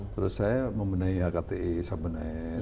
terus saya membenahi hkti saya benahi